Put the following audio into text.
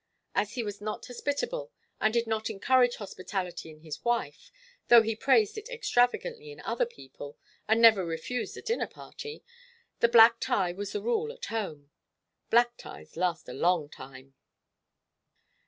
As he was not hospitable, and did not encourage hospitality in his wife, though he praised it extravagantly in other people, and never refused a dinner party, the black tie was the rule at home. Black ties last a long time.